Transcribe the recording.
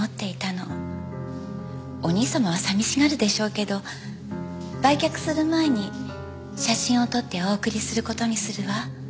お兄様は寂しがるでしょうけど売却する前に写真を撮ってお送りする事にするわ。